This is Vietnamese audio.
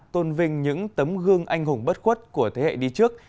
tôn vinh những tấm gương anh hùng bất khuất của thế hệ đi trước